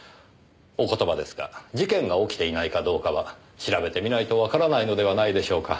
お言葉ですが事件が起きていないかどうかは調べてみないとわからないのではないでしょうか。